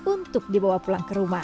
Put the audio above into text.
untuk dibawa pulang ke rumah